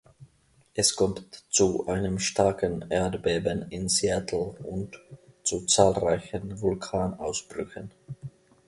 Es kommt zu einem starken Erdbeben in Seattle und zu zahlreichen Vulkanausbrüchen.